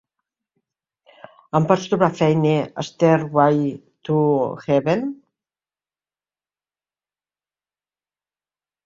Em pots trobar feina, Stairway to Heaven?